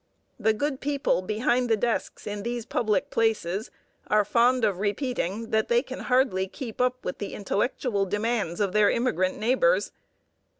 The good people behind the desks in these public places are fond of repeating that they can hardly keep up with the intellectual demands of their immigrant neighbors.